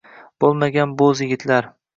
boʼlmagan boʼz yigitlar